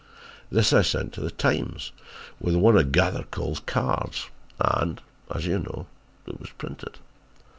"This I sent to The Times with one of Gathercole's cards and, as you know, it was printed.